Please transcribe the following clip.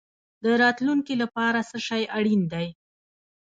د راتلونکي لپاره څه شی اړین دی؟